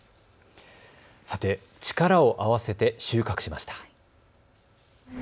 力を合わせて収穫しました。